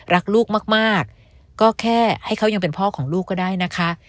รักลูกมากก็แค่ให้เขายังเป็นพ่อของลูกก็ได้นะคะ